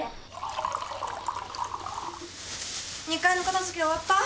２階の片付け終わった？